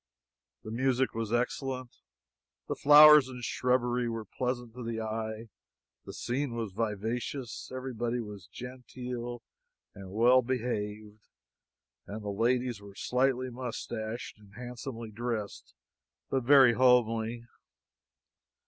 The music was excellent, the flowers and shrubbery were pleasant to the eye, the scene was vivacious, everybody was genteel and well behaved, and the ladies were slightly moustached, and handsomely dressed, but very homely.